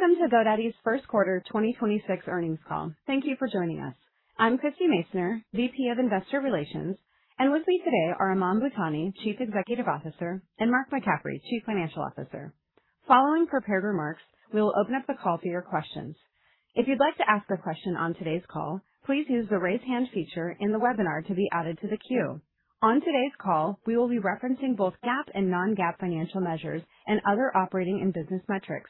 Welcome to GoDaddy's Q1 2026 earnings call. Thank you for joining us. I'm Christie Masoner, VP of Investor Relations, and with me today are Aman Bhutani, Chief Executive Officer, and Mark McCaffrey, Chief Financial Officer. Following prepared remarks, we will open up the call to your questions. If you'd like to ask a question on today's call, please use the raise hand feature in the webinar to be added to the queue. On today's call, we will be referencing both GAAP and non-GAAP financial measures and other operating and business metrics.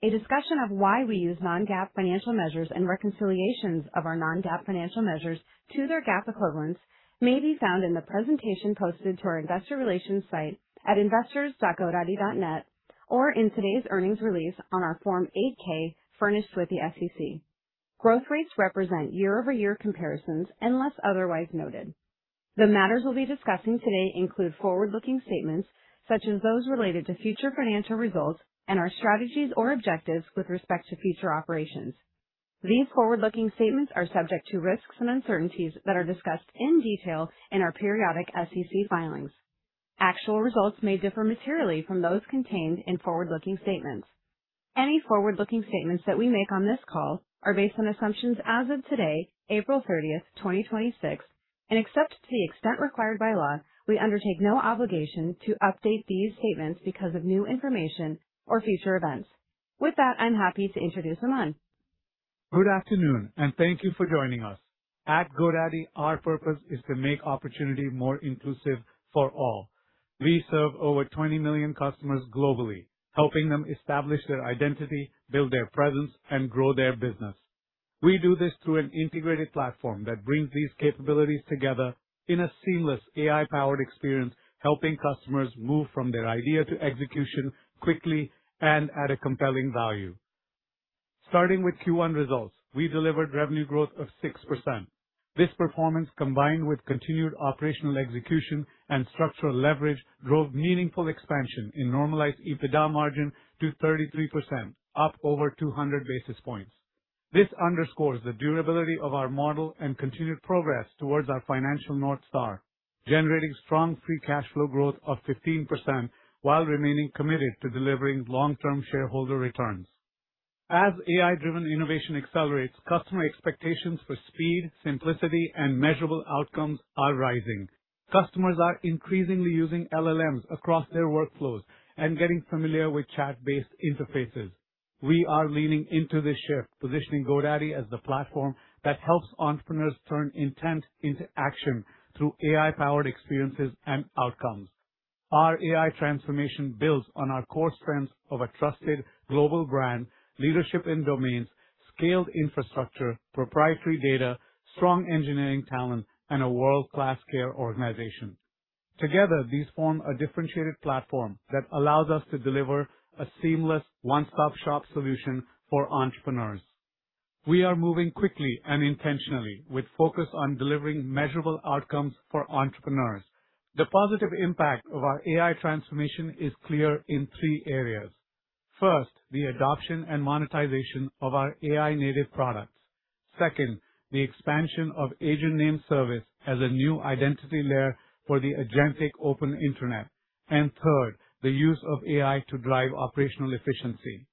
A discussion of why we use non-GAAP financial measures and reconciliations of our non-GAAP financial measures to their GAAP equivalents may be found in the presentation posted to our investor relations site at investors.godaddy.net or in today's earnings release on our Form 8-K furnished with the SEC. Growth rates represent year-over-year comparisons unless otherwise noted. The matters we'll be discussing today include forward-looking statements, such as those related to future financial results and our strategies or objectives with respect to future operations. These forward-looking statements are subject to risks and uncertainties that are discussed in detail in our periodic SEC filings. Actual results may differ materially from those contained in forward-looking statements. Any forward-looking statements that we make on this call are based on assumptions as of today, April 30th, 2026, and except to the extent required by law, we undertake no obligation to update these statements because of new information or future events. With that, I'm happy to introduce Aman. Good afternoon, and thank you for joining us. At GoDaddy, our purpose is to make opportunity more inclusive for all. We serve over 20 million customers globally, helping them establish their identity, build their presence, and grow their business. We do this through an integrated platform that brings these capabilities together in a seamless AI-powered experience, helping customers move from their idea to execution quickly and at a compelling value. Starting with Q1 results, we delivered revenue growth of 6%. This performance, combined with continued operational execution and structural leverage, drove meaningful expansion in normalized EBITDA margin to 33%, up over 200 basis points. This underscores the durability of our model and continued progress towards our financial North Star, generating strong free cash flow growth of 15% while remaining committed to delivering long-term shareholder returns. As AI-driven innovation accelerates, customer expectations for speed, simplicity, and measurable outcomes are rising. Customers are increasingly using LLMs across their workflows and getting familiar with chat-based interfaces. We are leaning into this shift, positioning GoDaddy as the platform that helps entrepreneurs turn intent into action through AI-powered experiences and outcomes. Our AI transformation builds on our core strengths of a trusted global brand, leadership in domains, scaled infrastructure, proprietary data, strong engineering talent, and a world-class care organization. Together, these form a differentiated platform that allows us to deliver a seamless one-stop-shop solution for entrepreneurs. We are moving quickly and intentionally with focus on delivering measurable outcomes for entrepreneurs. The positive impact of our AI transformation is clear in three areas. First, the adoption and monetization of our AI-native products. Second, the expansion of Agent Name Service as a new identity layer for the agentic open internet. Third, the use of AI to drive operational efficiency.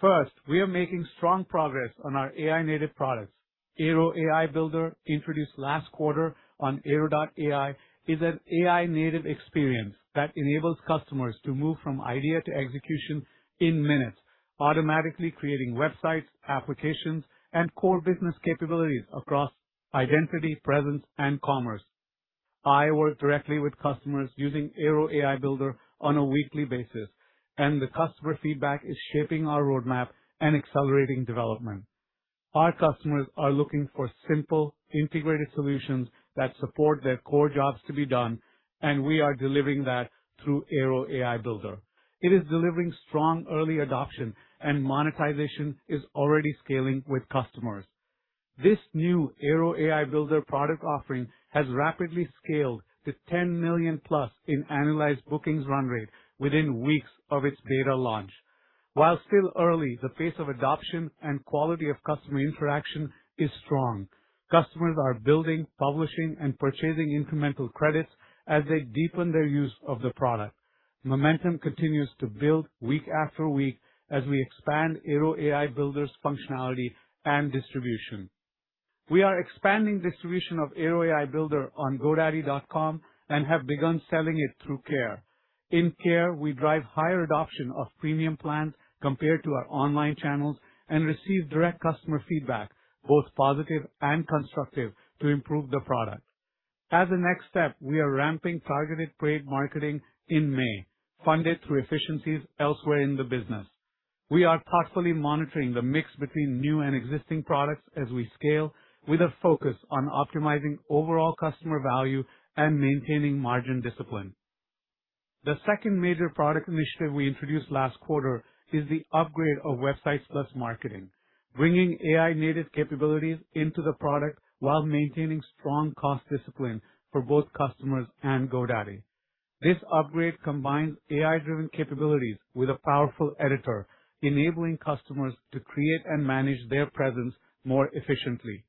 First, we are making strong progress on our AI-native products. Airo AI Builder, introduced last quarter on airo.ai, is an AI-native experience that enables customers to move from idea to execution in minutes, automatically creating websites, applications, and core business capabilities across identity, presence, and commerce. I work directly with customers using Airo AI Builder on a weekly basis, and the customer feedback is shaping our roadmap and accelerating development. Our customers are looking for simple, integrated solutions that support their core jobs to be done, and we are delivering that through Airo AI Builder. It is delivering strong early adoption and monetization is already scaling with customers. This new Airo AI Builder product offering has rapidly scaled to $10 million-plus in annualized bookings run rate within weeks of its beta launch. While still early, the pace of adoption and quality of customer interaction is strong. Customers are building, publishing, and purchasing incremental credits as they deepen their use of the product. Momentum continues to build week after week as we expand Airo AI Builder's functionality and distribution. We are expanding distribution of Airo AI Builder on godaddy.com and have begun selling it through Airo Care. In Airo Care, we drive higher adoption of premium plans compared to our online channels and receive direct customer feedback, both positive and constructive, to improve the product. As a next step, we are ramping targeted paid marketing in May, funded through efficiencies elsewhere in the business. We are carefully monitoring the mix between new and existing products as we scale with a focus on optimizing overall customer value and maintaining margin discipline. The second major product initiative we introduced last quarter is the upgrade of Websites + Marketing, bringing AI-native capabilities into the product while maintaining strong cost discipline for both customers and GoDaddy. This upgrade combines AI-driven capabilities with a powerful editor, enabling customers to create and manage their presence more efficiently.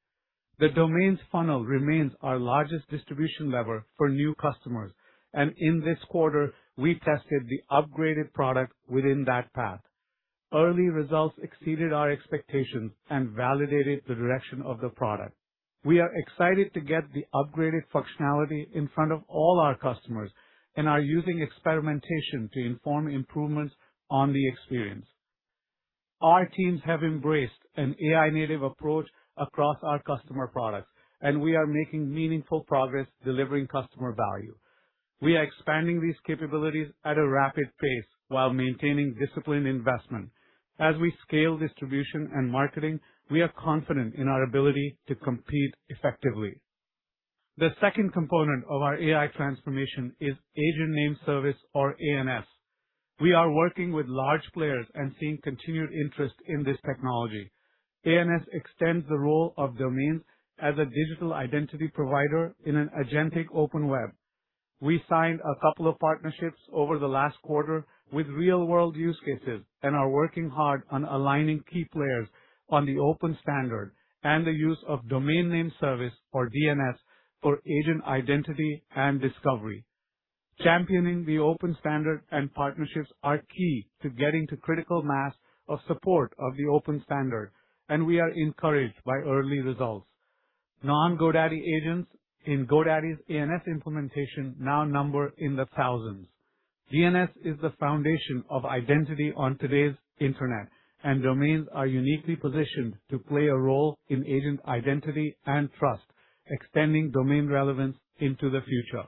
The domains funnel remains our largest distribution lever for new customers, and in this quarter, we tested the upgraded product within that path. Early results exceeded our expectations and validated the direction of the product. We are excited to get the upgraded functionality in front of all our customers and are using experimentation to inform improvements on the experience. Our teams have embraced an AI-native approach across our customer products, and we are making meaningful progress delivering customer value. We are expanding these capabilities at a rapid pace while maintaining disciplined investment. As we scale distribution and marketing, we are confident in our ability to compete effectively. The second component of our AI transformation is Agent Name Service or ANS. We are working with large players and seeing continued interest in this technology. ANS extends the role of domains as a digital identity provider in an agentic open web. We signed two partnerships over the last quarter with real-world use cases and are working hard on aligning key players on the open standard and the use of Domain Name System or DNS for agent identity and discovery. Championing the open standard and partnerships are key to getting to critical mass of support of the open standard, and we are encouraged by early results. Non-GoDaddy agents in GoDaddy's ANS implementation now number in the thousands. DNS is the foundation of identity on today's Internet, and domains are uniquely positioned to play a role in agent identity and trust, extending domain relevance into the future.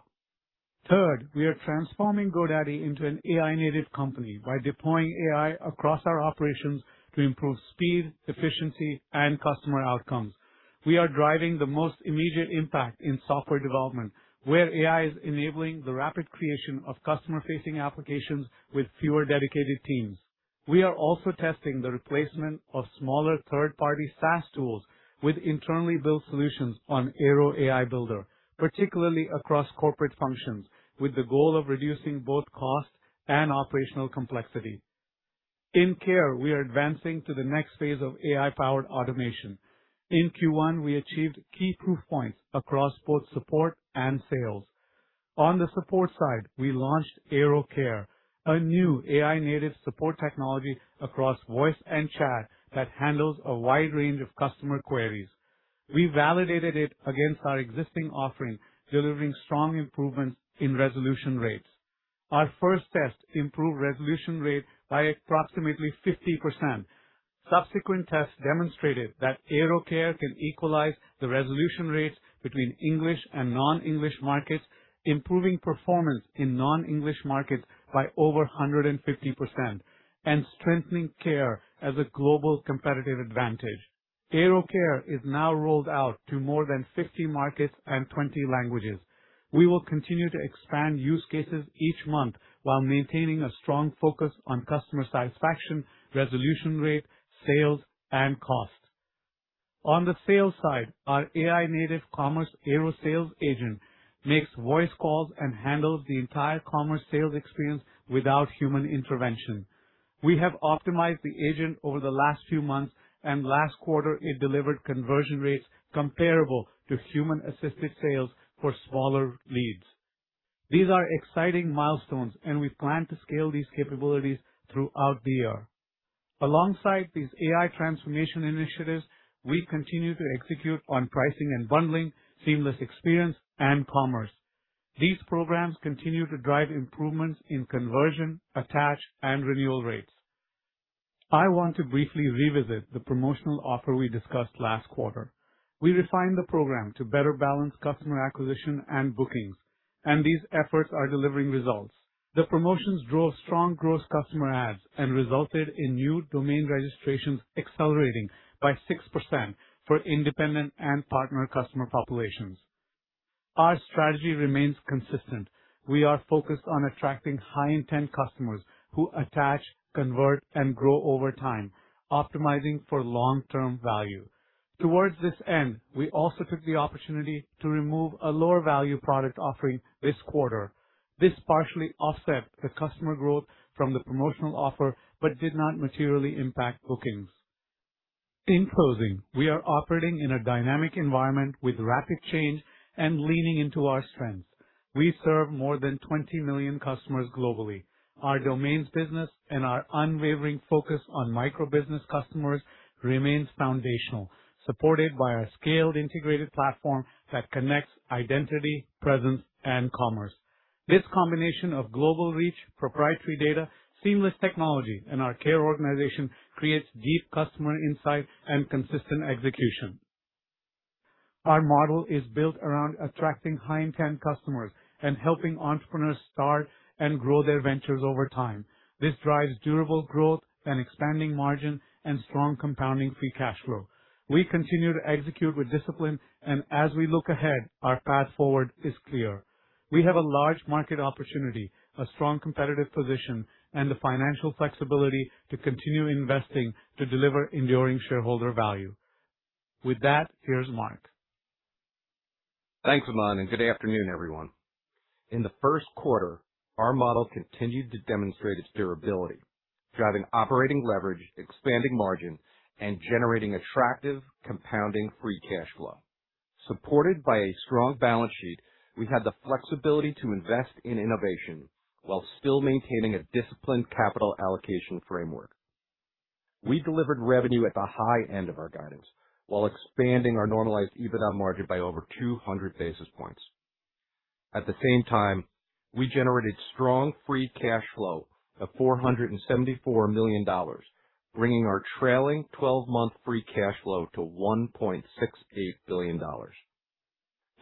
Third, we are transforming GoDaddy into an AI-native company by deploying AI across our operations to improve speed, efficiency, and customer outcomes. We are driving the most immediate impact in software development, where AI is enabling the rapid creation of customer-facing applications with fewer dedicated teams. We are also testing the replacement of smaller third-party SaaS tools with internally built solutions on Airo AI Builder, particularly across corporate functions, with the goal of reducing both cost and operational complexity. In care, we are advancing to the next phase of AI-powered automation. In Q1, we achieved key proof points across both support and sales. On the support side, we launched Airo Care, a new AI-native support technology across voice and chat that handles a wide range of customer queries. We validated it against our existing offering, delivering strong improvements in resolution rates. Our first test improved resolution rate by approximately 50%. Subsequent tests demonstrated that Airo Care can equalize the resolution rates between English and non-English markets, improving performance in non-English markets by over 150% and strengthening care as a global competitive advantage. Airo Care is now rolled out to more than 50 markets and 20 languages. We will continue to expand use cases each month while maintaining a strong focus on customer satisfaction, resolution rate, sales, and cost. On the sales side, our AI-native commerce Airo sales agent makes voice calls and handles the entire commerce sales experience without human intervention. We have optimized the agent over the last few months, and last quarter, it delivered conversion rates comparable to human-assisted sales for smaller leads. These are exciting milestones, and we plan to scale these capabilities throughout the year. Alongside these AI transformation initiatives, we continue to execute on pricing and bundling, seamless experience, and commerce. These programs continue to drive improvements in conversion, attach, and renewal rates. I want to briefly revisit the promotional offer we discussed last quarter. We refined the program to better balance customer acquisition and bookings, and these efforts are delivering results. The promotions drove strong gross customer adds and resulted in new domain registrations accelerating by 6% for independent and partner customer populations. Our strategy remains consistent. We are focused on attracting high-intent customers who attach, convert, and grow over time, optimizing for long-term value. Towards this end, we also took the opportunity to remove a lower-value product offering this quarter. This partially offset the customer growth from the promotional offer but did not materially impact bookings. In closing, we are operating in a dynamic environment with rapid change and leaning into our strengths. We serve more than 20 million customers globally. Our domains business and our unwavering focus on micro-business customers remains foundational, supported by our scaled integrated platform that connects identity, presence, and commerce. This combination of global reach, proprietary data, seamless technology, and our care organization creates deep customer insight and consistent execution. Our model is built around attracting high-intent customers and helping entrepreneurs start and grow their ventures over time. This drives durable growth and expanding margin and strong compounding free cash flow. We continue to execute with discipline, and as we look ahead, our path forward is clear. We have a large market opportunity, a strong competitive position, and the financial flexibility to continue investing to deliver enduring shareholder value. With that, here's Mark. Thanks, Aman, and good afternoon, everyone. In the Q1, our model continued to demonstrate its durability, driving operating leverage, expanding margin, and generating attractive compounding free cash flow. Supported by a strong balance sheet, we had the flexibility to invest in innovation while still maintaining a disciplined capital allocation framework. We delivered revenue at the high end of our guidance while expanding our normalized EBITDA margin by over 200 basis points. At the same time, we generated strong free cash flow of $474 million, bringing our trailing 12-month free cash flow to $1.68 billion.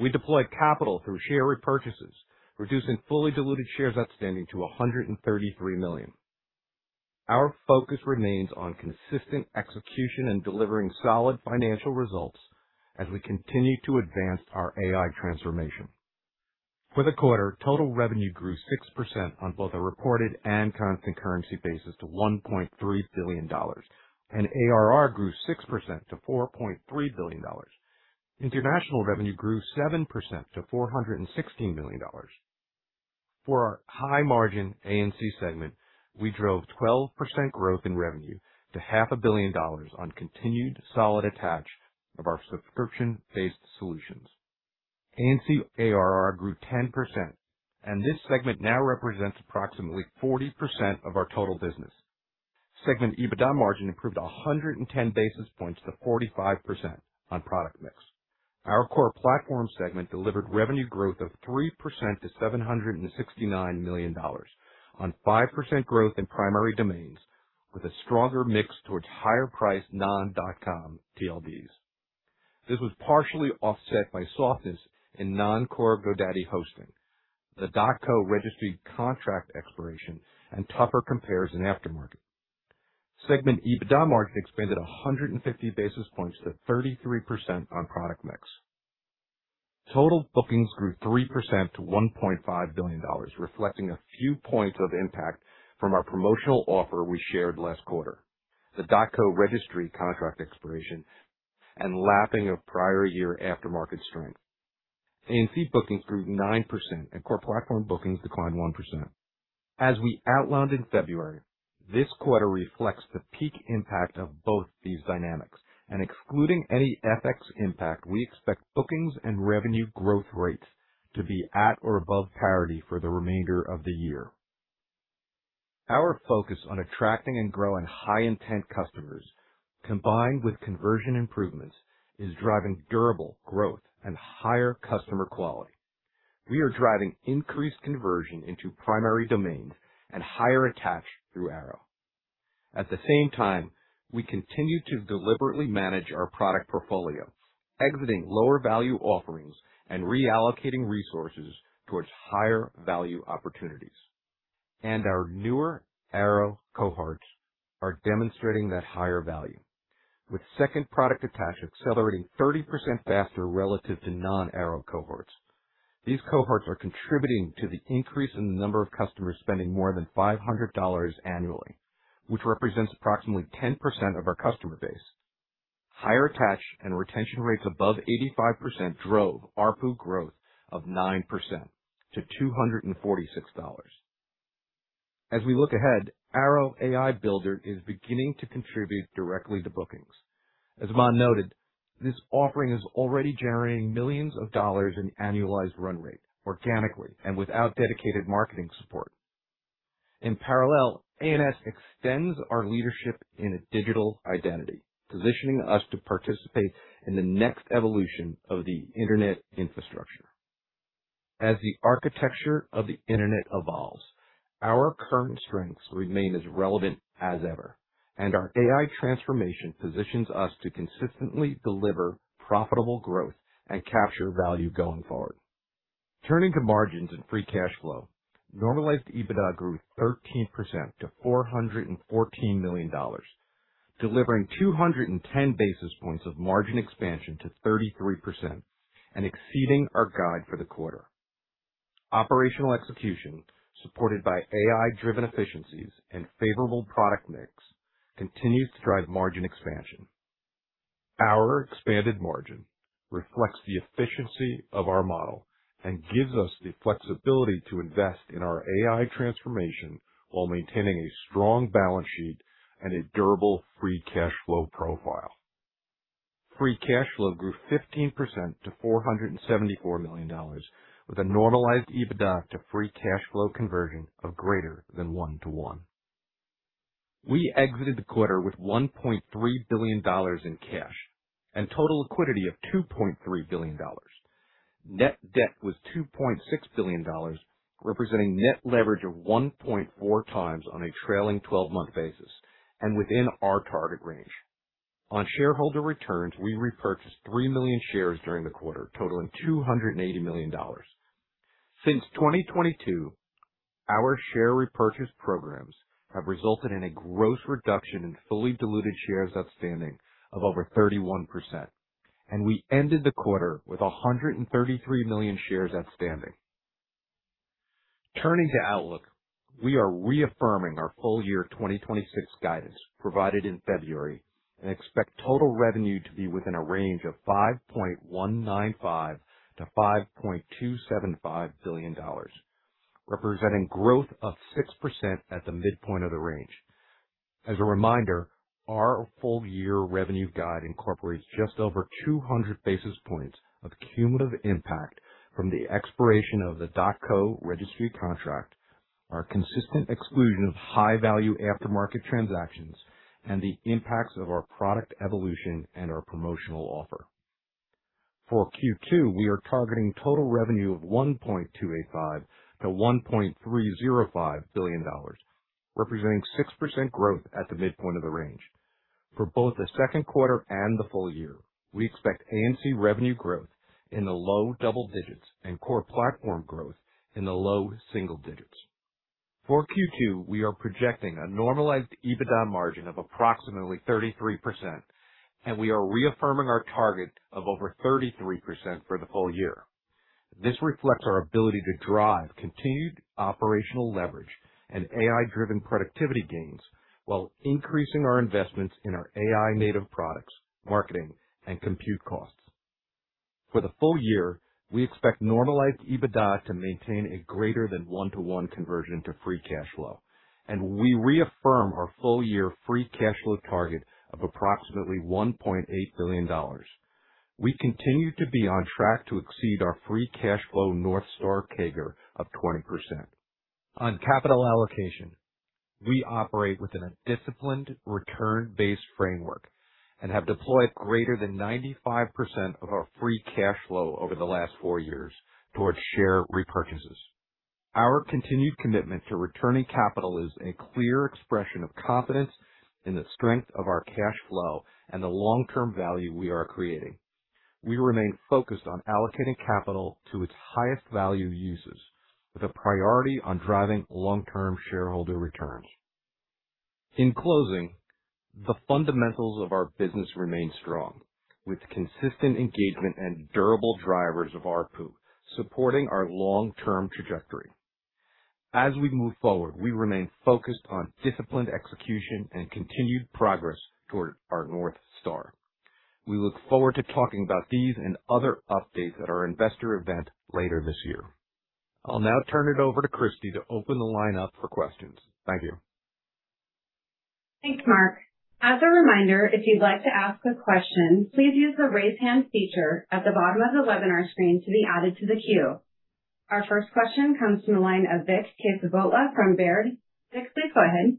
We deployed capital through share repurchases, reducing fully diluted shares outstanding to 133 million. Our focus remains on consistent execution and delivering solid financial results as we continue to advance our AI transformation. For the quarter, total revenue grew 6% on both a reported and constant currency basis to $1.3 billion, and ARR grew 6% to $4.3 billion. International revenue grew 7% to $416 million. For our high-margin A&C segment, we drove 12% growth in revenue to half a billion dollars on continued solid attach of our subscription-based solutions. A&C ARR grew 10%, and this segment now represents approximately 40% of our total business. Segment EBITDA margin improved 110 basis points to 45% on product mix. Our core platform segment delivered revenue growth of 3% to $769 million on 5% growth in primary domains with a stronger mix towards higher price non-.com TLDs. This was partially offset by softness in non-core GoDaddy hosting, the .co registry contract expiration, and tougher compares in aftermarket. Segment EBITDA margin expanded 150 basis points to 33% on product mix. Total bookings grew 3% to $1.5 billion, reflecting a few points of impact from our promotional offer we shared last quarter, the .co registry contract expiration, and lapping of prior year aftermarket strength. A&C bookings grew 9% and core platform bookings declined 1%. As we outlined in February, this quarter reflects the peak impact of both these dynamics. Excluding any FX impact, we expect bookings and revenue growth rates to be at or above parity for the remainder of the year. Our focus on attracting and growing high-intent customers, combined with conversion improvements, is driving durable growth and higher customer quality. We are driving increased conversion into primary domains and higher attach through Airo. At the same time, we continue to deliberately manage our product portfolio, exiting lower value offerings and reallocating resources towards higher value opportunities. Our newer Airo cohorts are demonstrating that higher value, with second product attach accelerating 30% faster relative to non-Airo cohorts. These cohorts are contributing to the increase in the number of customers spending more than $500 annually, which represents approximately 10% of our customer base. Higher attach and retention rates above 85% drove ARPU growth of 9% to $246. As Aman noted, this offering is already generating millions of dollars in annualized run rate organically and without dedicated marketing support. In parallel, ANS extends our leadership in digital identity, positioning us to participate in the next evolution of the internet infrastructure. As the architecture of the internet evolves, our current strengths remain as relevant as ever, and our AI transformation positions us to consistently deliver profitable growth and capture value going forward. Turning to margins and free cash flow, normalized EBITDA grew 13% to $414 million, delivering 210 basis points of margin expansion to 33% and exceeding our guide for the quarter. Operational execution, supported by AI-driven efficiencies and favorable product mix, continues to drive margin expansion. Our expanded margin reflects the efficiency of our model and gives us the flexibility to invest in our AI transformation while maintaining a strong balance sheet and a durable free cash flow profile. Free cash flow grew 15% to $474 million with a normalized EBITDA to free cash flow conversion of greater than 1:1. We exited the quarter with $1.3 billion in cash and total liquidity of $2.3 billion. Net debt was $2.6 billion, representing net leverage of 1.4x on a trailing 12-month basis and within our target range. On shareholder returns, we repurchased 3 million shares during the quarter, totaling $280 million. Since 2022, our share repurchase programs have resulted in a gross reduction in fully diluted shares outstanding of over 31%, and we ended the quarter with 133 million shares outstanding. Turning to outlook, we are reaffirming our full year 2026 guidance provided in February and expect total revenue to be within a range of $5.195 billion-$5.275 billion, representing growth of 6% at the midpoint of the range. As a reminder, our full year revenue guide incorporates just over 200 basis points of cumulative impact from the expiration of the .co registry contract, our consistent exclusion of high-value aftermarket transactions, and the impacts of our product evolution and our promotional offer. For Q2, we are targeting total revenue of $1.285 billion-$1.305 billion, representing 6% growth at the midpoint of the range. For both the Q2 and the full year, we expect A&C revenue growth in the low double digits and core platform growth in the low single digits. For Q2, we are projecting a normalized EBITDA margin of approximately 33%, and we are reaffirming our target of over 33% for the full year. This reflects our ability to drive continued operational leverage and AI-driven productivity gains while increasing our investments in our AI-native products, marketing, and compute costs. For the full year, we expect normalized EBITDA to maintain a greater than 1:1 conversion to free cash flow, and we reaffirm our full-year free cash flow target of approximately $1.8 billion. We continue to be on track to exceed our free cash flow North Star CAGR of 20%. On capital allocation, we operate within a disciplined return-based framework and have deployed greater than 95% of our free cash flow over the last four years towards share repurchases. Our continued commitment to returning capital is a clear expression of confidence in the strength of our cash flow and the long-term value we are creating. We remain focused on allocating capital to its highest value uses with a priority on driving long-term shareholder returns. In closing, the fundamentals of our business remain strong, with consistent engagement and durable drivers of ARPU supporting our long-term trajectory. As we move forward, we remain focused on disciplined execution and continued progress toward our North Star. We look forward to talking about these and other updates at our investor event later this year. I'll now turn it over to Christie to open the line up for questions. Thank you. Thanks, Mark. As a reminder, if you'd like to ask a question, please use the Raise Hand feature at the bottom of the webinar screen to be added to the queue. Our first question comes from the line of Vik Kesavabhotla from Baird. Vik, please go ahead.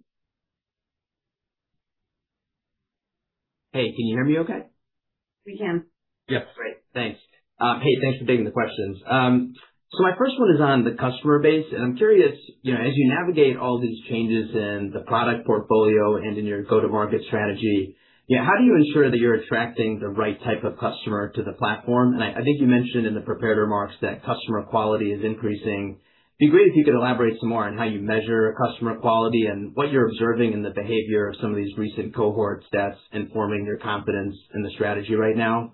Hey, can you hear me okay? We can. Yes. Great. Thanks. Hey, thanks for taking the questions. My first one is on the customer base, and I'm curious, you know, as you navigate all these changes in the product portfolio and in your go-to-market strategy, you know, how do you ensure that you're attracting the right type of customer to the platform? And I think you mentioned in the prepared remarks that customer quality is increasing. It'd be great if you could elaborate some more on how you measure customer quality and what you're observing in the behavior of some of these recent cohorts that's informing your confidence in the strategy right now.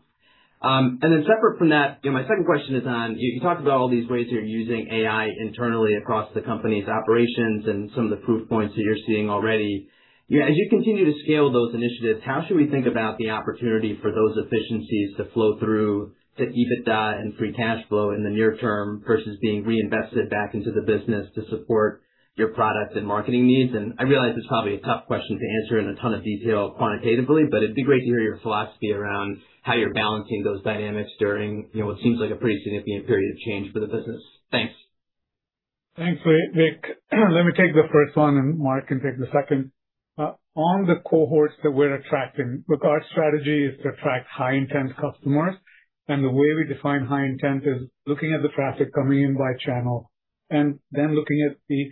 And then separate from that, you know, my second question is on, you talked about all these ways you're using AI internally across the company's operations and some of the proof points that you're seeing already. You know, as you continue to scale those initiatives, how should we think about the opportunity for those efficiencies to flow through to EBITDA and free cash flow in the near term versus being reinvested back into the business to support your products and marketing needs? I realize it's probably a tough question to answer in a ton of detail quantitatively, but it'd be great to hear your philosophy around how you're balancing those dynamics during, you know, what seems like a pretty significant period of change for the business. Thanks. Thanks, Vik. Let me take the first one, Mark can take the second. On the cohorts that we're attracting. Look, our strategy is to attract high-intent customers, the way we define high intent is looking at the traffic coming in by channel and then looking at the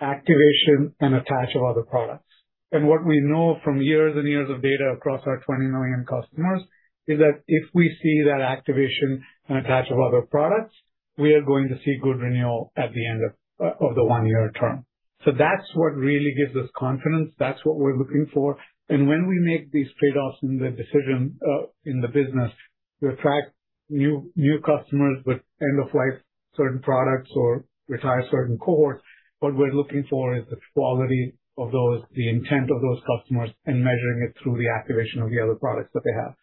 activation and attach of other products. What we know from years and years of data across our 20 million customers is that if we see that activation and attach of other products, we are going to see good renewal at the end of the 1-year term. That's what really gives us confidence. That's what we're looking for. When we make these trade-offs in the decision, in the business, we attract new customers with end-of-life certain products or retire certain cohorts. What we're looking for is the quality of those, the intent of those customers, and measuring it through the activation of the other products that they have.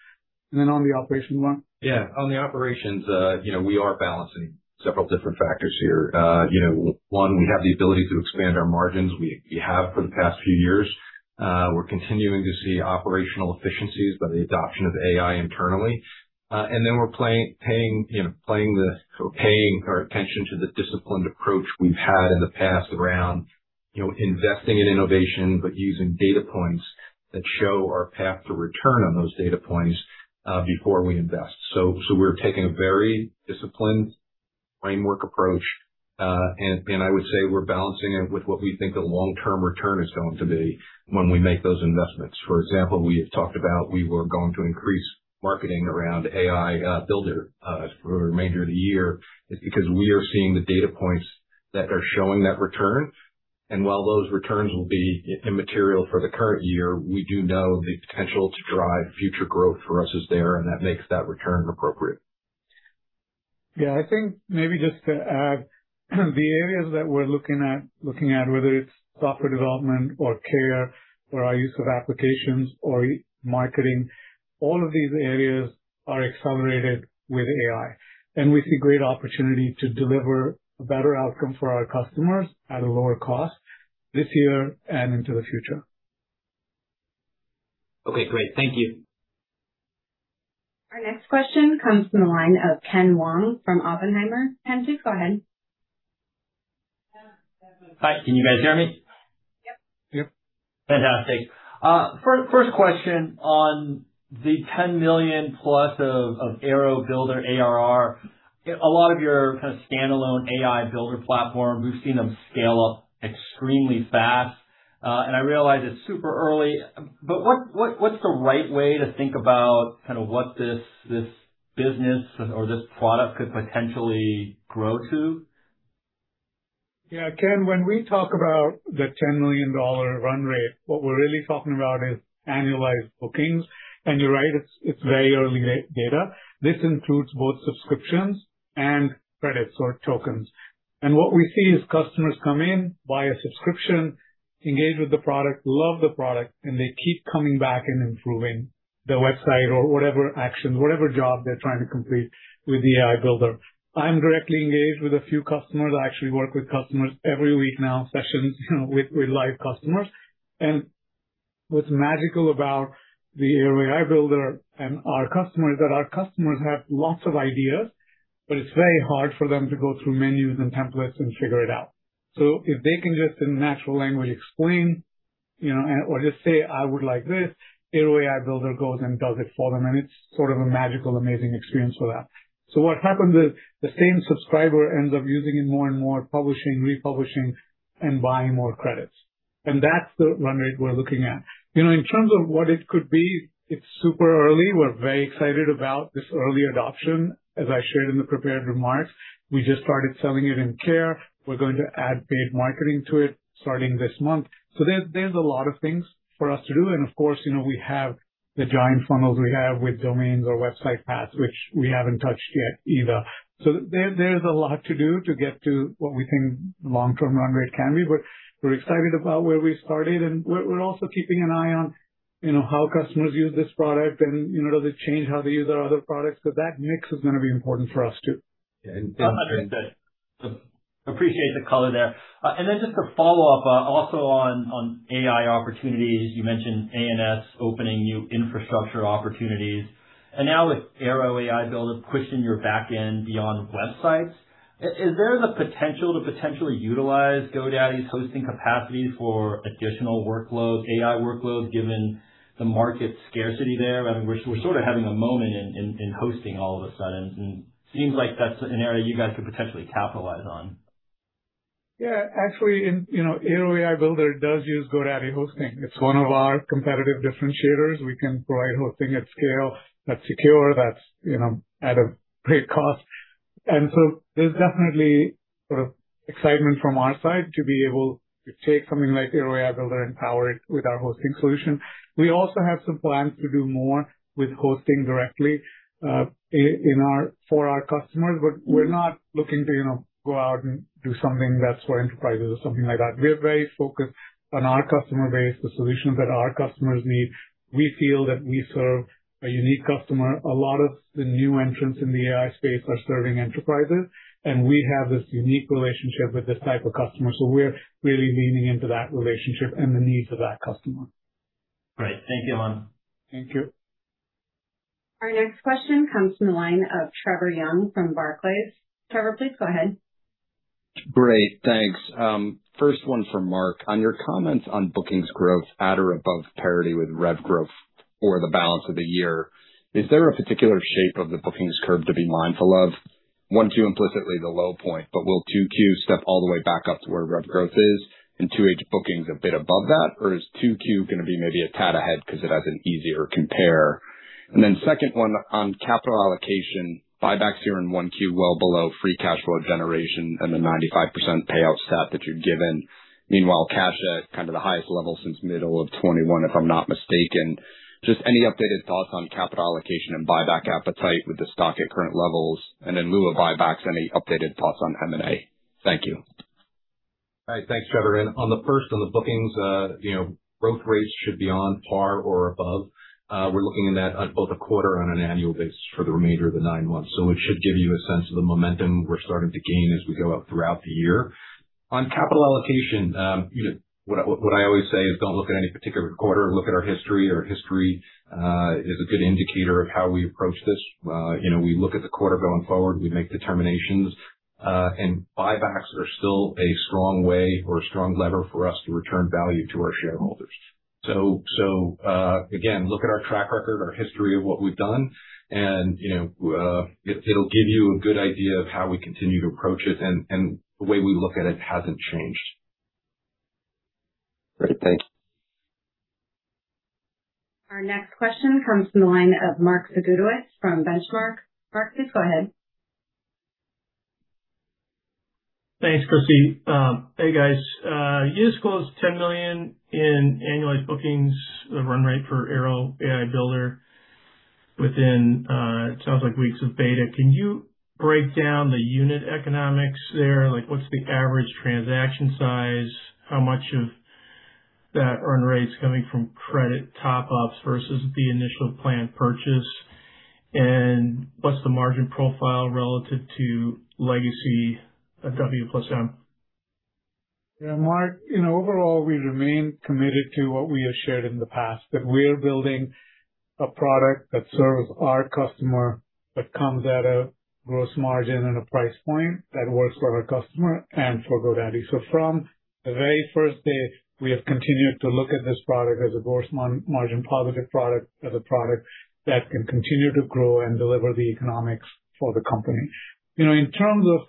On the operations one? On the operations, you know, we are balancing several different factors here. You know, one, we have the ability to expand our margins. We have for the past few years. We're continuing to see operational efficiencies by the adoption of AI internally. We're paying our attention to the disciplined approach we've had in the past around, you know, investing in innovation, but using data points that show our path to return on those data points before we invest. We're taking a very disciplined framework approach. I would say we're balancing it with what we think the long-term return is going to be when we make those investments. For example, we had talked about we were going to increase marketing around AI Builder, for the remainder of the year. It's because we are seeing the data points that are showing that return. While those returns will be immaterial for the current year, we do know the potential to drive future growth for us is there, and that makes that return appropriate. Yeah. I think maybe just to add, the areas that we're looking at, looking at whether it's software development or care or our use of applications or marketing, all of these areas are accelerated with AI, and we see great opportunity to deliver a better outcome for our customers at a lower cost this year and into the future. Okay, great. Thank you. Our next question comes from the line of Ken Wong from Oppenheimer. Ken, please go ahead. Hi. Can you guys hear me? Yep. Yep. Fantastic. First question on the 10 million-plus of Airo Builder ARR. A lot of your kind of standalone AI builder platform, we've seen them scale up extremely fast. I realize it's super early, but what's the right way to think about kind of what this business or this product could potentially grow to? Yeah. Ken, when we talk about the $10 million run rate, what we're really talking about is annualized bookings. You're right, it's very early data. This includes both subscriptions and credits or tokens. What we see is customers come in via subscription, engage with the product, love the product, and they keep coming back and improving their website or whatever actions, whatever job they're trying to complete with the AI Builder. I'm directly engaged with a few customers. I actually work with customers every week now, sessions, you know, with live customers. What's magical about the Airo AI Builder and our customers is that our customers have lots of ideas, it's very hard for them to go through menus and templates and figure it out. If they can just in natural language explain, you know, or just say, "I would like this," Airo AI Builder goes and does it for them, and it's sort of a magical, amazing experience for that. That's the run rate we're looking at. You know, in terms of what it could be, it's super early. We're very excited about this early adoption. As I shared in the prepared remarks, we just started selling it in Care. We're going to add paid marketing to it starting this month. There's a lot of things for us to do. Of course, you know, we have the giant funnels we have with domains or website paths, which we haven't touched yet either. There's a lot to do to get to what we think long-term run rate can be, but we're excited about where we started, and we're also keeping an eye on, you know, how customers use this product and, you know, does it change how they use our other products because that mix is gonna be important for us, too. Yeah. Understood. Appreciate the color there. Just a follow-up, also on AI opportunities. You mentioned ANS opening new infrastructure opportunities, now with Airo AI Builder pushing your back end beyond websites, is there the potential to potentially utilize GoDaddy's hosting capacity for additional workloads, AI workloads, given the market scarcity there? I mean, we're sort of having a moment in hosting all of a sudden, seems like that's an area you guys could potentially capitalize on. Yeah. Actually, you know, Airo AI Builder does use GoDaddy hosting. It's one of our competitive differentiators. We can provide hosting at scale that's secure, that's, you know, at a great cost. There's definitely sort of excitement from our side to be able to take something like Airo AI Builder and power it with our hosting solution. We also have some plans to do more with hosting directly for our customers, but we're not looking to, you know, go out and do something that's for enterprises or something like that. We are very focused on our customer base, the solutions that our customers need. We feel that we serve a unique customer. A lot of the new entrants in the AI space are serving enterprises, and we have this unique relationship with this type of customer, so we're really leaning into that relationship and the needs of that customer. Great. Thank you, Aman. Thank you. Our next question comes from the line of Trevor Young from Barclays. Trevor, please go ahead. Great. Thanks. First one for Mark. On your comments on bookings growth at or above parity with rev growth for the balance of the year, is there a particular shape of the bookings curve to be mindful of? Q2 implicitly the low point, will Q2 step all the way back up to where rev growth is and H2 bookings a bit above that? Is Q2 going to be maybe a tad ahead because it has an easier compare? Second one on capital allocation, buybacks here in Q1 well below free cash flow generation and the 95% payout stat that you've given. Meanwhile, cash at kind of the highest level since middle of 2021, if I'm not mistaken. Just any updated thoughts on capital allocation and buyback appetite with the stock at current levels, and in lieu of buybacks, any updated thoughts on M&A? Thank you. All right. Thanks, Trevor. On the bookings, you know, growth rates should be on par or above. We're looking at that on both a quarter on an annual basis for the remainder of the nine months. It should give you a sense of the momentum we're starting to gain as we go up throughout the year. On capital allocation, you know, what I always say is don't look at any particular quarter. Look at our history. Our history is a good indicator of how we approach this. You know, we look at the quarter going forward, we make determinations, buybacks are still a strong way or a strong lever for us to return value to our shareholders. Again, look at our track record, our history of what we've done and, you know, it'll give you a good idea of how we continue to approach it, and the way we look at it hasn't changed. Great. Thank you. Our next question comes from the line of Mark Zgutowicz from Benchmark. Mark, please go ahead. Thanks, Christie. Hey, guys. You just closed $10 million in annualized bookings, the run rate for Airo AI Builder within, it sounds like weeks of beta. Can you break down the unit economics there? Like, what's the average transaction size? How much of that run rate is coming from credit top-ups versus the initial plan purchase? What's the margin profile relative to legacy of Websites + Marketing? Yeah, Mark, you know, overall, we remain committed to what we have shared in the past, that we're building a product that serves our customer, that comes at a gross margin and a price point that works for our customer and for GoDaddy. From the very first day, we have continued to look at this product as a gross margin-positive product, as a product that can continue to grow and deliver the economics for the company. You know, in terms of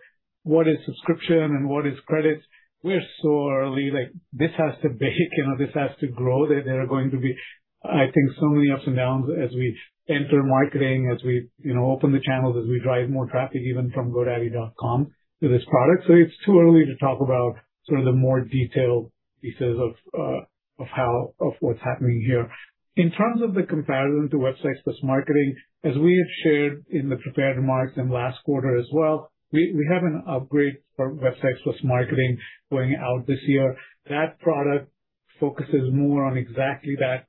what is subscription and what is credits, we're so early. Like, this has to bake, you know, this has to grow. There are going to be, I think, so many ups and downs as we enter marketing, as we, you know, open the channels, as we drive more traffic even from godaddy.com to this product. It's too early to talk about sort of the more detailed pieces of how of what's happening here. In terms of the comparison to Websites + Marketing, as we have shared in the prepared remarks and last quarter as well, we have an upgrade for Websites + Marketing going out this year. That product focuses more on exactly that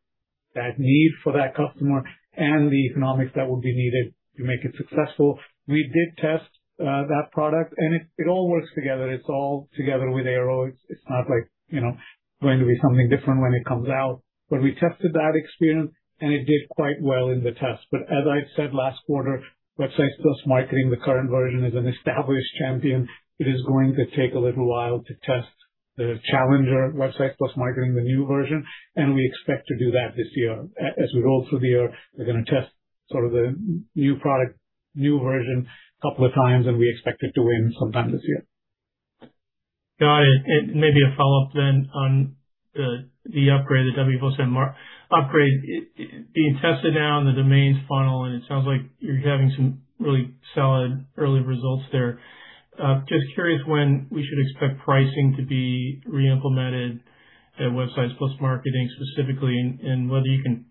need for that customer and the economics that will be needed to make it successful. We did test that product, and it all works together. It's all together with Airo. It's not like, you know, going to be something different when it comes out. We tested that experience, and it did quite well in the test. As I said last quarter, Websites + Marketing, the current version, is an established champion. It is going to take a little while to test the challenger, Websites + Marketing, the new version. We expect to do that this year. As we roll through the year, we're gonna test sort of the new product, new version a couple of times, and we expect it to win sometime this year. Got it. Maybe a follow-up then on the upgrade, the W+M upgrade being tested now in the domains funnel, and it sounds like you're having some really solid early results there. Just curious when we should expect pricing to be reimplemented at Websites + Marketing specifically, and whether you can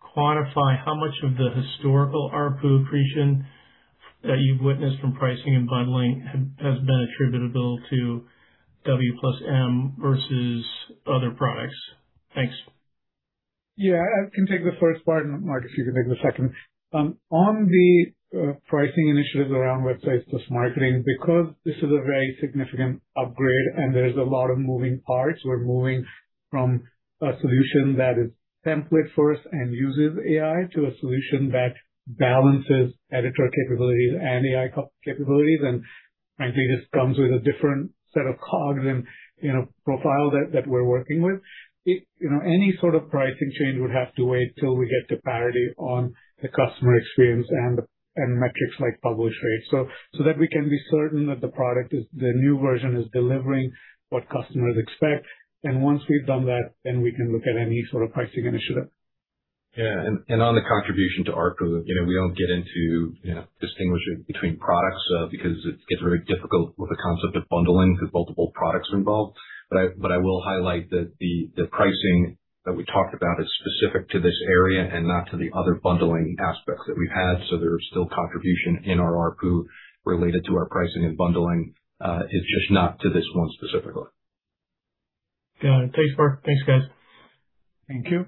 quantify how much of the historical ARPU accretion that you've witnessed from pricing and bundling has been attributable to W+M versus other products. Thanks. Yeah. I can take the first part, Mark, if you can take the second. On the pricing initiatives around Websites + Marketing, because this is a very significant upgrade and there's a lot of moving parts, we're moving from a solution that is template first and uses AI to a solution that balances editor capabilities and AI capabilities. Frankly, this comes with a different set of cogs and, you know, profile that we're working with. You know, any sort of pricing change would have to wait till we get to parity on the customer experience and metrics like publish rates, so that we can be certain that the product is delivering what customers expect. Once we've done that, we can look at any sort of pricing initiative. On the contribution to ARPU, you know, we don't get into, you know, distinguishing between products because it gets very difficult with the concept of bundling because multiple products are involved. I will highlight that the pricing that we talked about is specific to this area and not to the other bundling aspects that we've had. There's still contribution in our ARPU related to our pricing and bundling, it's just not to this one specifically. Got it. Thanks, Mark. Thanks, guys. Thank you.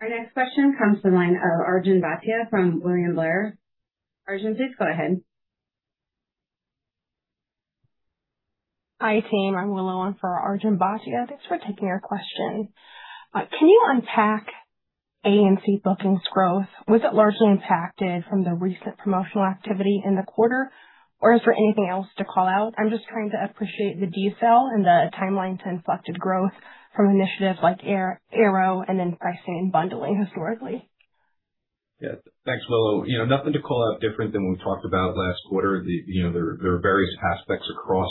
Our next question comes from the line of Arjun Bhatia from William Blair. Arjun, please go ahead. Hi, team. I'm Willow on for Arjun Bhatia. Thanks for taking our question. Can you unpack A&C bookings growth? Was it largely impacted from the recent promotional activity in the quarter, or is there anything else to call out? I'm just trying to appreciate the detail and the timeline to inflected growth from initiatives like Airo and then pricing and bundling historically. Yeah. Thanks, Willow. You know, nothing to call out different than we talked about last quarter. The, you know, there are various aspects across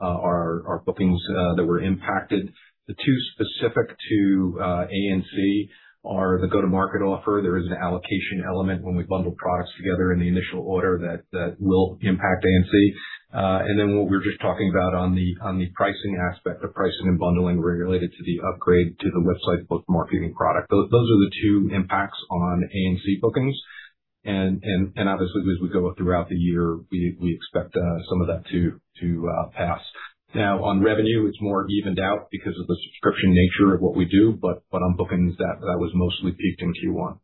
our bookings that were impacted. The two specific to A&C are the go-to-market offer. There is an allocation element when we bundle products together in the initial order that will impact A&C. Then what we were just talking about on the pricing aspect of pricing and bundling related to the upgrade to the Websites + Marketing product. Those are the two impacts on A&C bookings. And obviously, as we go throughout the year, we expect some of that to pass. Now, on revenue, it's more evened out because of the subscription nature of what we do, but on bookings, that was mostly peaked in Q1.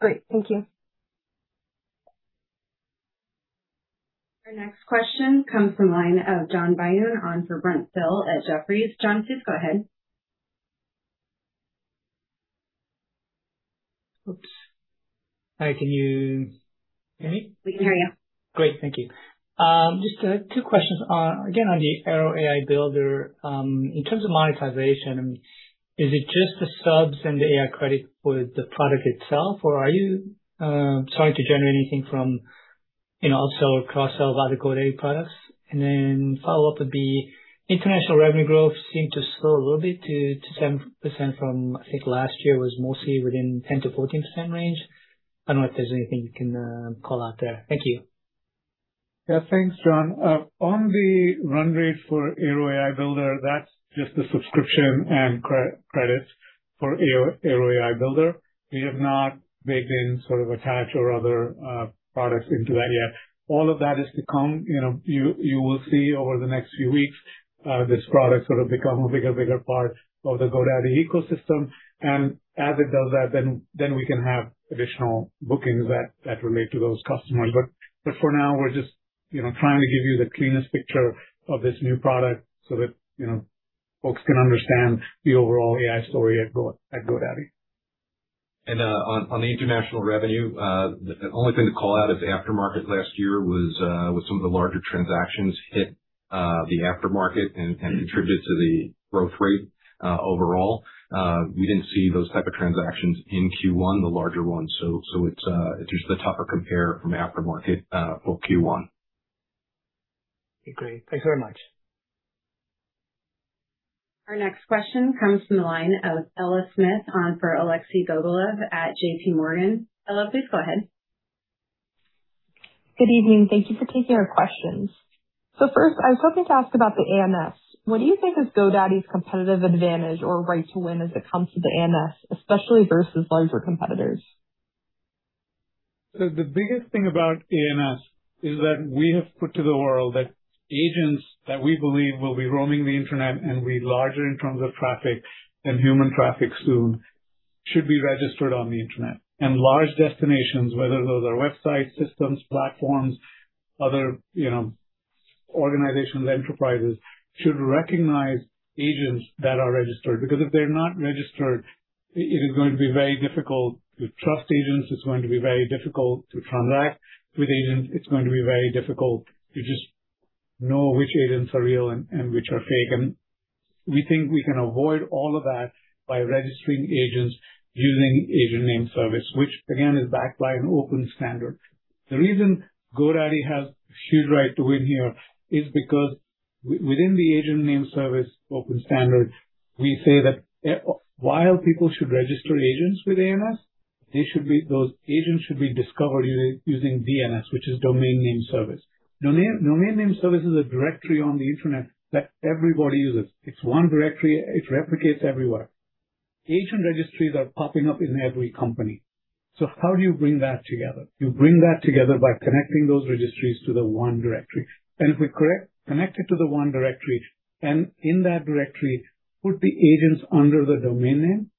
Great. Thank you. Our next question comes from line of John Byun on for Brent Thill at Jefferies. John, please go ahead. Hi, can you hear me? We can hear you. Great. Thank you. Just two questions. Again, on the Airo AI Builder, in terms of monetization, is it just the subs and the AI credit for the product itself? Or are you starting to generate anything from also cross-sell of other GoDaddy products. Follow-up would be international revenue growth seemed to slow a little bit to 7% from, I think last year was mostly within 10%-14% range. I don't know if there's anything you can call out there. Thank you. Yeah, thanks, John. On the run rate for Airo AI Builder, that's just the subscription and credits for AI, Airo AI Builder. We have not baked in sort of attach or other products into that yet. All of that is to come. You know, you will see over the next few weeks, this product sort of become a bigger part of the GoDaddy ecosystem. As it does that, then we can have additional bookings that relate to those customers. But for now, we're just, you know, trying to give you the cleanest picture of this new product so that, you know, folks can understand the overall AI story at GoDaddy. On the international revenue, the only thing to call out is aftermarket last year was some of the larger transactions hit the aftermarket and contributed to the growth rate overall. We didn't see those type of transactions in Q1, the larger ones. It's just a tougher compare from aftermarket or Q1. Agree. Thanks very much. Our next question comes from the line of Ella Smith on for Alexei Gogolev at JPMorgan. Ella, please go ahead. Good evening. Thank you for taking our questions. First, I was hoping to ask about the ANS. What do you think is GoDaddy's competitive advantage or right to win as it comes to the ANS, especially versus larger competitors? The biggest thing about ANS is that we have put to the world that agents that we believe will be roaming the Internet and be larger in terms of traffic than human traffic soon should be registered on the Internet. Large destinations, whether those are websites, systems, platforms, other, you know, organizational enterprises, should recognize agents that are registered, because if they're not registered, it is going to be very difficult to trust agents. It's going to be very difficult to transact with agents. It's going to be very difficult to just know which agents are real and which are fake. We think we can avoid all of that by registering agents using Agent Name Service, which again is backed by an open standard. The reason GoDaddy has huge right to win here is because within the Agent Name Service open standard, we say that while people should register agents with ANS, those agents should be discovered using DNS, which is Domain Name System. Domain Name System is a directory on the Internet that everybody uses. It's one directory. It replicates everywhere. Agent registries are popping up in every company. How do you bring that together? You bring that together by connecting those registries to the one directory. If we connect it to the 1 directory and in that directory put the agents under the domain name,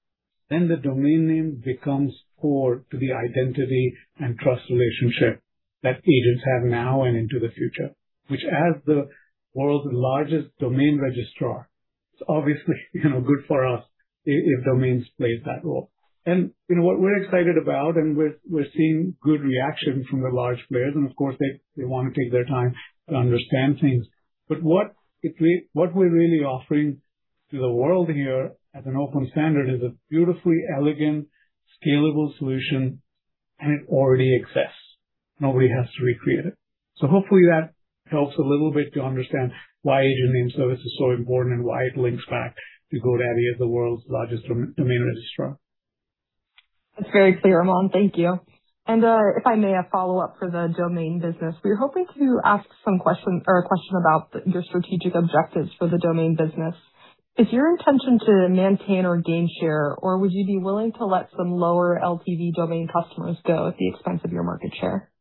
then the domain name becomes core to the identity and trust relationship that agents have now and into the future, which as the world's largest domain registrar, it's obviously, you know, good for us if domains plays that role. You know, what we're excited about and we're seeing good reaction from the large players, and of course they wanna take their time to understand things. What we're really offering to the world here as an open standard is a beautifully elegant, scalable solution, and it already exists. Nobody has to recreate it. Hopefully that helps a little bit to understand why Agent Name Service is so important and why it links back to GoDaddy as the world's largest domain registrar. That's very clear, Aman. Thank you. If I may, a follow-up for the domain business. We were hoping to ask some questions or a question about the, your strategic objectives for the domain business. Is your intention to maintain or gain share, or would you be willing to let some lower LTV domain customers go at the expense of your market share?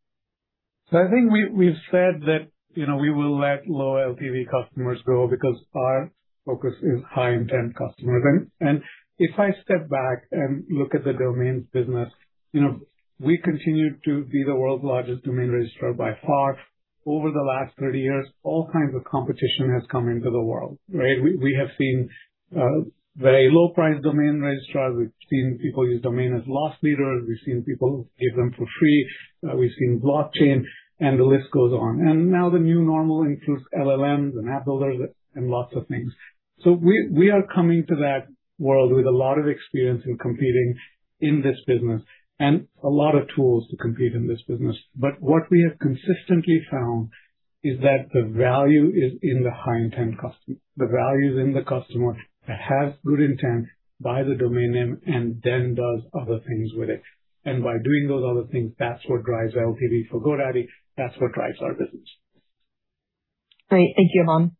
I think we've said that, you know, we will let low LTV customers go because our focus is high-intent customers. If I step back and look at the domains business, you know, we continue to be the world's largest domain registrar by far. Over the last 30 years, all kinds of competition has come into the world, right? We have seen very low-priced domain registrars. We've seen people use domain as loss leaders. We've seen people give them for free. We've seen blockchain, and the list goes on. Now the new normal includes LLMs and app builders and lots of things. We are coming to that world with a lot of experience in competing in this business and a lot of tools to compete in this business. What we have consistently found is that the value is in the high-intent customer. The value is in the customer that has good intent, buy the domain name and then does other things with it. By doing those other things, that's what drives LTV for GoDaddy. That's what drives our business. Great. Thank you, Aman.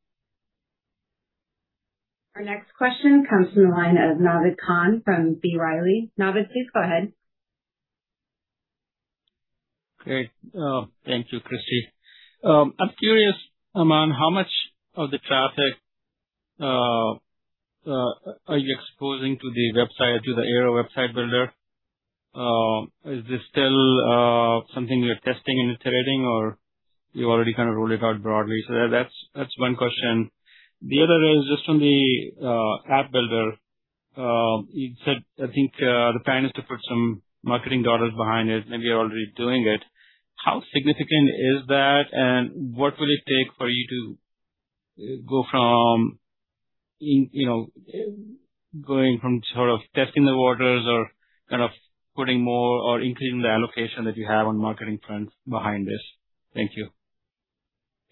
Our next question comes from the line of Naved Khan from B. Riley. Naved, please go ahead. Great. Thank you, Christie. I'm curious, Aman, how much of the traffic are you exposing to the website, to the Airo website builder? Is this still something you're testing and iterating or you already kind of rolled it out broadly? That's one question. The other is just from the Airo AI Builder. You said, I think, the plan is to put some marketing dollars behind it. Maybe you're already doing it. How significant is that, and what will it take for you to go from, you know, going from sort of testing the waters or kind of putting more or increasing the allocation that you have on marketing trends behind this. Thank you.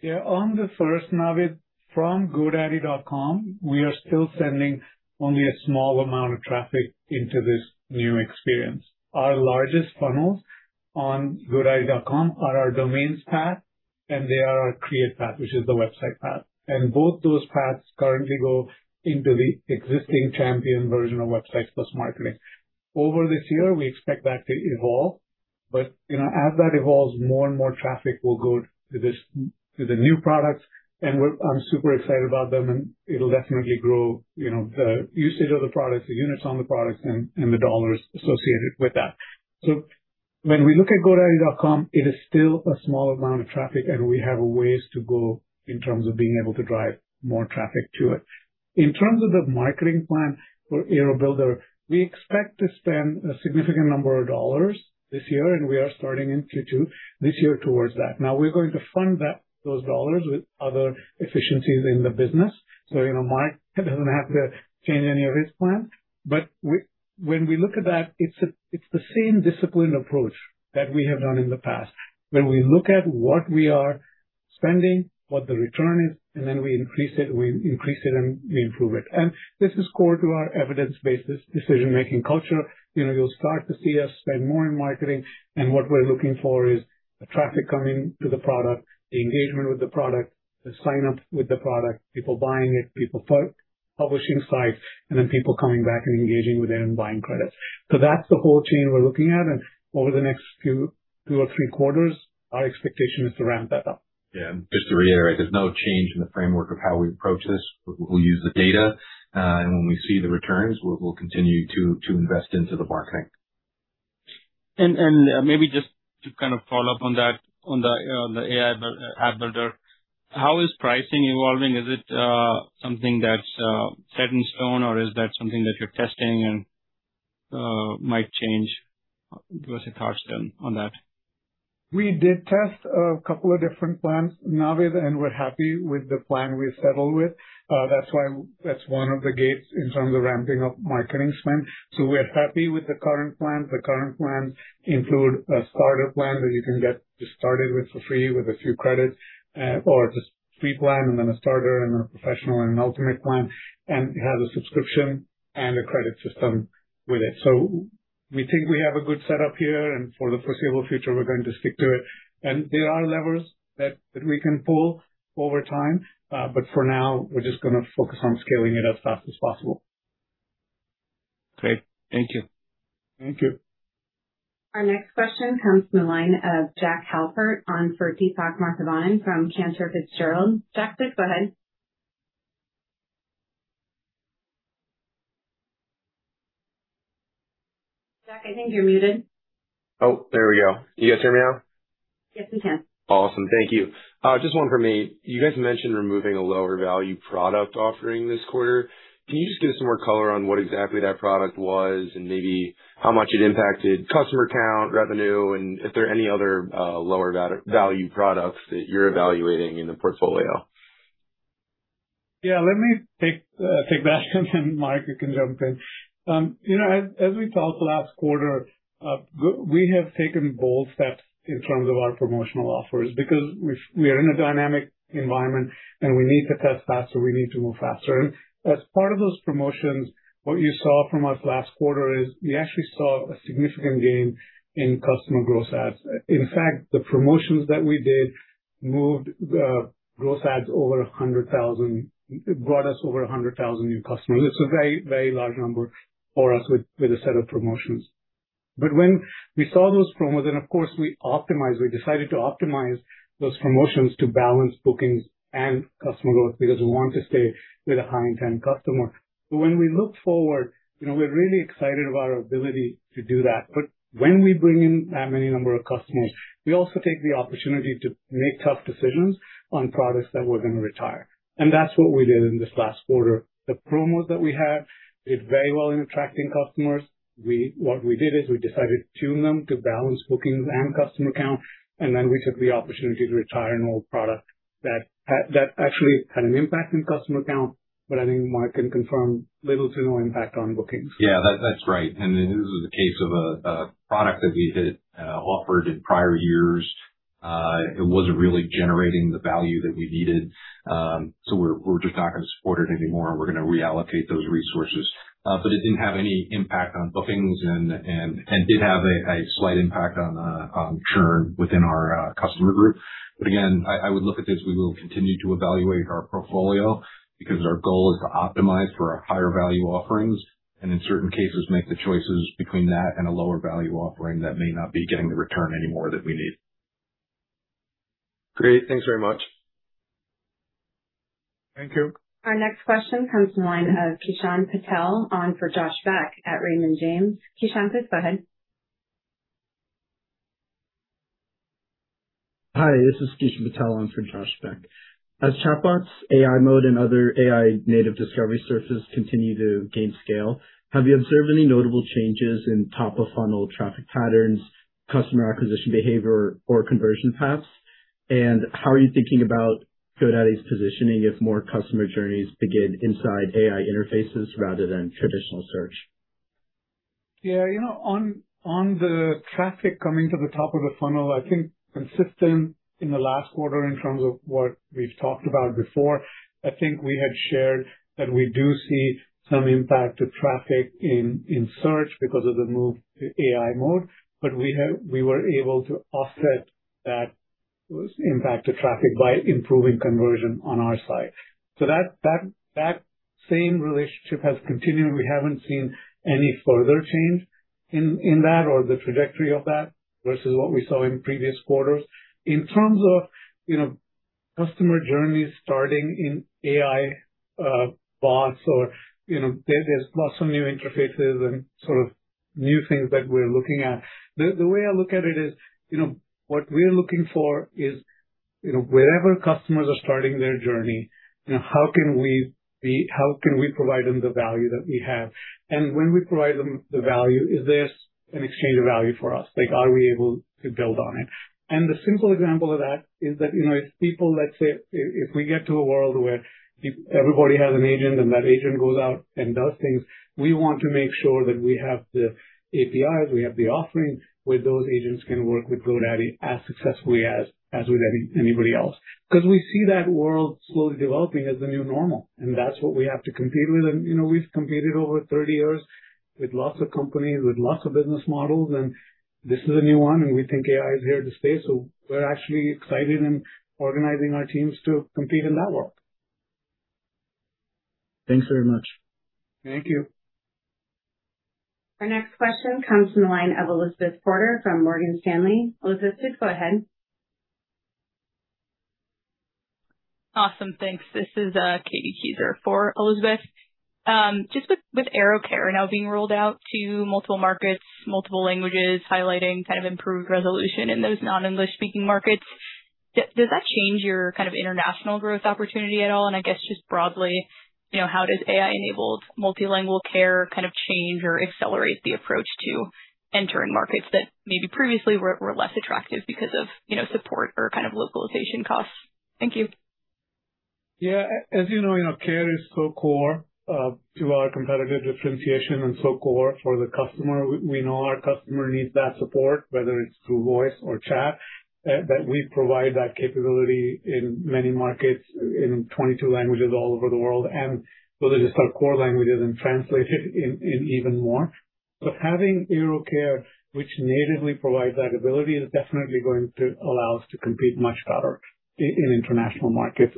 Yeah. On the first, Naved, from GoDaddy.com, we are still sending only a small amount of traffic into this new experience. Our largest funnels on GoDaddy.com are our domains path, and they are our create path, which is the website path. Both those paths currently go into the existing champion version of Websites + Marketing. Over this year, we expect that to evolve, but, you know, as that evolves, more and more traffic will go to this, to the new products, I'm super excited about them, and it'll definitely grow, you know, the usage of the products, the units on the products and the dollars associated with that. When we look at GoDaddy.com, it is still a small amount of traffic, and we have a ways to go in terms of being able to drive more traffic to it. In terms of the marketing plan for Airo AI Builder, we expect to spend a significant number of dollars this year. We are starting in Q2 this year towards that. We're going to fund that, those dollars with other efficiencies in the business. You know, Mark doesn't have to change any of his plan. We, when we look at that, it's the same disciplined approach that we have done in the past, where we look at what we are spending, what the return is. We increase it, and we improve it. This is core to our evidence-based decision-making culture. You know, you'll start to see us spend more in marketing. What we're looking for is the traffic coming to the product, the engagement with the product, the sign-up with the product, people buying it, people publishing sites, and then people coming back and engaging with it and buying credits. That's the whole chain we're looking at. Over the next few, two or three quarters, our expectation is to ramp that up. Yeah. Just to reiterate, there's no change in the framework of how we approach this. We'll use the data, and when we see the returns, we'll continue to invest into the marketing. Maybe just to kind of follow up on that, on the Airo AI Builder, how is pricing evolving? Is it something that's set in stone, or is that something that you're testing and might change? Give us a touch then on that. We did test two different plans, Naved, and we're happy with the plan we've settled with. That's one of the gates in terms of ramping up marketing spend. We're happy with the current plan. The current plan include a starter plan that you can get just started with for free with a few credits, or just free plan and then a starter and a professional and an ultimate plan. It has a subscription and a credit system with it. We think we have a good setup here, and for the foreseeable future, we're going to stick to it. There are levers that we can pull over time, but for now, we're just gonna focus on scaling it as fast as possible. Great. Thank you. Thank you. Our next question comes from the line of Jack Halpert on for Deepak Mathivanan from Cantor Fitzgerald. Jack, please go ahead. Jack, I think you're muted. Oh, there we go. Can you guys hear me now? Yes, we can. Awesome. Thank you. Just one from me. You guys mentioned removing a lower value product offering this quarter. Can you just give some more color on what exactly that product was and maybe how much it impacted customer count, revenue, and if there are any other lower value products that you're evaluating in the portfolio? Yeah. Let me take that. Mark, you can jump in. You know, as we talked last quarter, we have taken bold steps in terms of our promotional offers because we are in a dynamic environment, we need to test faster, we need to move faster. As part of those promotions, what you saw from us last quarter is we actually saw a significant gain in customer growth adds. In fact, the promotions that we did moved growth adds over 100,000. It brought us over 100,000 new customers. It's a very large number for us with a set of promotions. When we saw those promos, of course, we optimized, we decided to optimize those promotions to balance bookings and customer growth because we want to stay with a high-intent customer. When we look forward, you know, we're really excited about our ability to do that. When we bring in that many number of customers, we also take the opportunity to make tough decisions on products that we're going to retire. That's what we did in this last quarter. The promos that we had did very well in attracting customers. What we did is we decided to tune them to balance bookings and customer count, and then we took the opportunity to retire an old product that actually had an impact in customer count, but I think Mark can confirm little to no impact on bookings. That's right. This is a case of a product that we had offered in prior years. It wasn't really generating the value that we needed, we're just not going to support it anymore, and we're going to reallocate those resources. It didn't have any impact on bookings and did have a slight impact on churn within our customer group. Again, I would look at this, we will continue to evaluate our portfolio because our goal is to optimize for our higher value offerings, and in certain cases, make the choices between that and a lower value offering that may not be getting the return anymore that we need. Great. Thanks very much. Thank you. Our next question comes from the line of Kishan Patel on for Josh Beck at Raymond James. Kishan, please go ahead. Hi, this is Kishan Patel on for Josh Beck. As chatbots, AI mode, and other AI native discovery searches continue to gain scale, have you observed any notable changes in top of funnel traffic patterns, customer acquisition behavior or conversion paths? How are you thinking about GoDaddy's positioning if more customer journeys begin inside AI interfaces rather than traditional search? Yeah, you know, on the traffic coming to the top of the funnel, I think consistent in the last quarter in terms of what we've talked about before, I think we had shared that we do see some impact to traffic in search because of the move to AI mode. We were able to offset that impact to traffic by improving conversion on our side. That same relationship has continued. We haven't seen any further change in that or the trajectory of that versus what we saw in previous quarters. In terms of, you know, customer journeys starting in AI bots or, you know, there's lots of new interfaces and sort of new things that we're looking at. The way I look at it is, you know, what we're looking for is, you know, wherever customers are starting their journey, you know, how can we provide them the value that we have? When we provide them the value, is this an exchange of value for us? Like, are we able to build on it? The simple example of that is that, you know, if people Let's say if we get to a world where everybody has an agent and that agent goes out and does things, we want to make sure that we have the APIs, we have the offerings where those agents can work with GoDaddy as successfully as with anybody else. Cause we see that world slowly developing as the new normal, that's what we have to compete with. You know, we've competed over 30 years with lots of companies, with lots of business models, and this is a new one, and we think AI is here to stay. We're actually excited and organizing our teams to compete in that world. Thanks very much. Thank you. Our next question comes from the line of Elizabeth Porter from Morgan Stanley. Elizabeth, please go ahead. Awesome. Thanks. This is Katie Kieser for Elizabeth. Just with Airo Care now being rolled out to multiple markets, multiple languages, highlighting kind of improved resolution in those non-English speaking markets, does that change your kind of international growth opportunity at all? I guess just broadly, you know, how does AI-enabled multilingual care kind of change or accelerate the approach to entering markets that maybe previously were less attractive because of, you know, support or kind of localization costs? Thank you. Yeah. As you know, care is so core to our competitive differentiation and so core for the customer. We know our customer needs that support, whether it's through voice or chat, that we provide that capability in many markets in 22 languages all over the world. Those are just our core languages and translated in even more. Having Airo Care, which natively provides that ability, is definitely going to allow us to compete much better in international markets.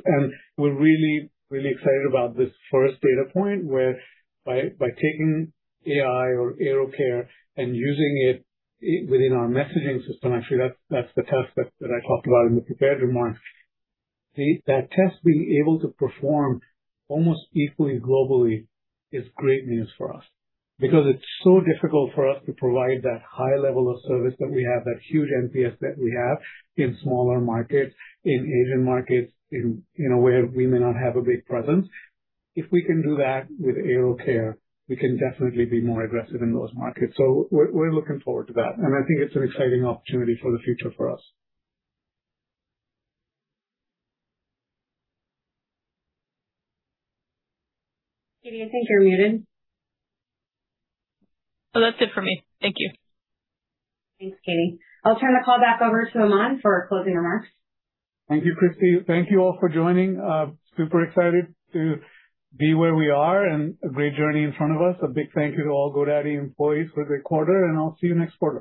We're really excited about this first data point where by taking AI or Airo Care and using it within our messaging system, actually, that's the test that I talked about in the prepared remarks. That test being able to perform almost equally globally is great news for us because it's so difficult for us to provide that high level of service that we have, that huge NPS that we have in smaller markets, in Asian markets, in a way we may not have a big presence. If we can do that with Airo Care, we can definitely be more aggressive in those markets. We're looking forward to that, and I think it's an exciting opportunity for the future for us. Katie, I think you're muted. That's it for me. Thank you. Thanks, Katie. I'll turn the call back over to Aman for closing remarks. Thank you, Christie. Thank you all for joining. super excited to be where we are and a great journey in front of us. A big thank you to all GoDaddy employees for the quarter. I'll see you next quarter.